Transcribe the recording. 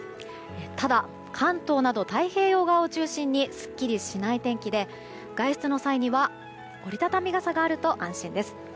ただ、関東など太平洋側を中心にすっきりしない天気で外出の際には折り畳み傘があると安心です。